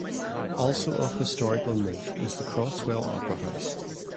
Also of historical note is the Croswell Opera House.